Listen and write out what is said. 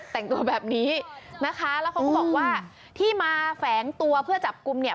แต่งตัวแบบนี้นะคะแล้วเขาก็บอกว่าที่มาแฝงตัวเพื่อจับกลุ่มเนี่ย